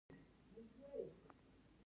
دا خو ژوندى دى.